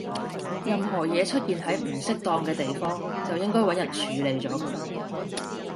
任何嘢出現喺唔適當嘅地方，就應該搵人處理咗佢